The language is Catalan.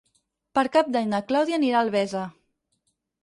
Per Cap d'Any na Clàudia anirà a Albesa.